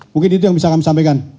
mungkin itu yang bisa kami sampaikan